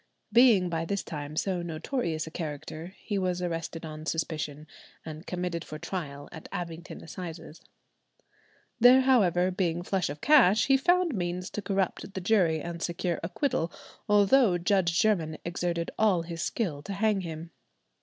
Being by this time so notorious a character, he was arrested on suspicion, and committed for trial at Abingdon Assizes. There, however, being flush of cash, he found means to corrupt the jury and secure acquittal, although Judge Jermyn exerted all his skill to hang him.